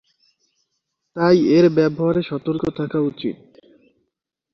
তাই এর ব্যবহারে সতর্ক থাকা উচিত।